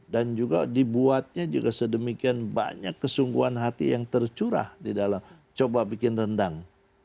dan juga dibuatnya juga sedemikian banyak kesungguhan hati yang tercurah di dalam coba bikin rendang